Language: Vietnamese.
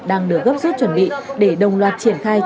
đang được gấp suốt chuẩn bị để đồng hành với các dịch vụ công trực tuyến